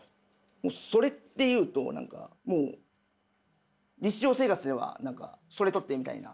「それ」っていうと何かもう日常生活では何か「それ取って」みたいな。